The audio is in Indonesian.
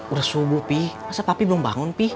udah subuh pih masa papi belum bangun pih